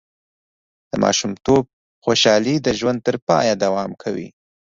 د ماشومتوب خوشحالي د ژوند تر پایه دوام کوي.